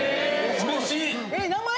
うれしい！